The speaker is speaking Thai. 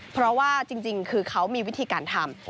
เพราะว่าจริงคือเขามีวิธีการทำ